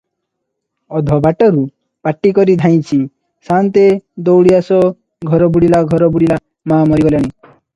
ଅଧବାଟରୁ ପାଟିକରି ଧାଇଁଛି- "ସାନ୍ତେ, ଦଉଡ଼ି ଆସ, ଘର ବୁଡ଼ିଲା, ଘର ବୁଡ଼ିଲା, ମା ମରିଗଲେଣି ।"